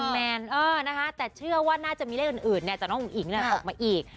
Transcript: แมนเออนะคะแต่เชื่อว่าน่าจะมีเลขอื่นจากน้องอุ๋งอิ๋งออกมาอีก